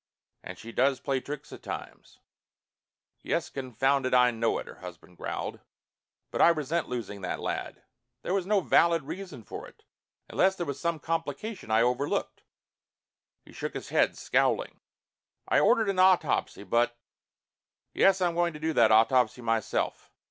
And she does play tricks at times." "Yes, confound it, I know it," her husband growled. "But I resent losing that lad. There was no valid reason for it unless there was some complication I overlooked." He shook his head, scowling. "I ordered an autopsy but Yes, I'm going to do that autopsy myself.